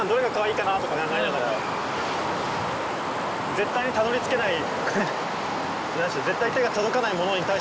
絶対にたどりつけない。